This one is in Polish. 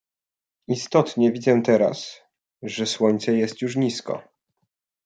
"Istotnie widzę teraz, że słońce jest już nisko."